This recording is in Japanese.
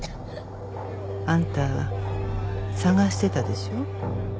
あんた捜してたでしょ？